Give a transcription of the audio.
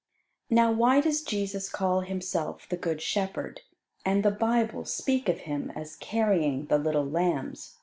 Now, why does Jesus call Himself the "good shepherd," and the Bible speak of Him as carrying the little lambs?